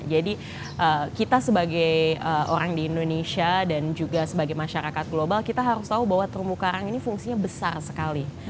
jadi kita sebagai orang di indonesia dan juga sebagai masyarakat global kita harus tahu bahwa terumbu karang ini fungsinya besar sekali